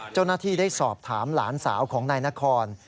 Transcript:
เจ้าหน้าที่ได้สอบถามหลานสาวของนายนคร